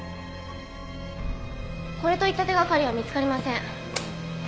これといった手がかりは見つかりません。